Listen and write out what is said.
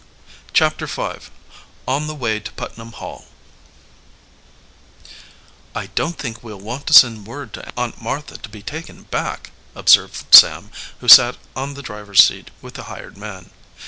CHAPTER V ON THE WAY TO PUTNAM HALL "I don't think we'll want to send word to Aunt Martha to be taken back," observed Sam, who sat on the driver's seat with the hired man.